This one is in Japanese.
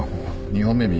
２本目右。